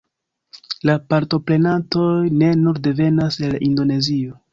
La partoprenantoj ne nur devenas el Indonezio